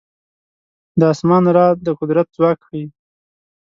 د اسمان رعد د قدرت ځواک ښيي.